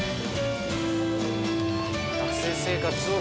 学生生活を。